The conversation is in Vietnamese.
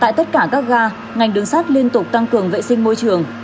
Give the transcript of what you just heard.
tại tất cả các ga ngành đường sắt liên tục tăng cường vệ sinh môi trường